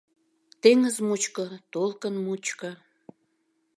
Теҥыз мучко, толкын мучко